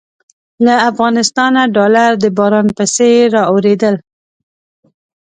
له افغانستانه ډالر د باران په څېر رااورېدل.